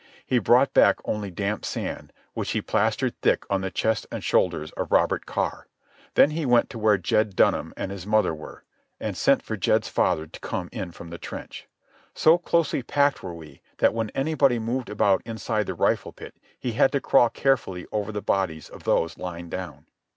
He brought back only damp sand, which he plastered thick on the chest and shoulders of Robert Carr. Then he went to where Jed Dunham and his mother were, and sent for Jed's father to come in from the trench. So closely packed were we that when anybody moved about inside the rifle pit he had to crawl carefully over the bodies of those lying down.